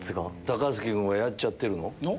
高杉君がやっちゃってるの？